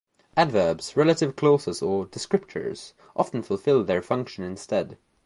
Adverbs, relative clauses, or 'descriptors', often fulfil their function instead.